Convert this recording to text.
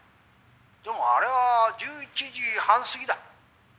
でもあれは１１時半すぎだ。